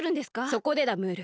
そこでだムール。